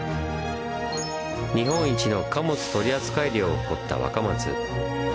日本一の貨物取扱量を誇った若松。